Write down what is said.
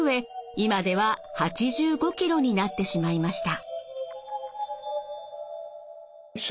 今では８５ｋｇになってしまいました。